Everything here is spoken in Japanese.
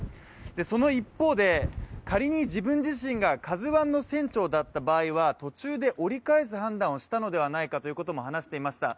その一方で、仮に自分自身が「ＫＡＺＵⅠ」の船長だった場合は途中で折り返す判断をしたのではないかということも話していました。